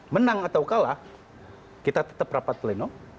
menang atau kalah kita tetap rapat pleno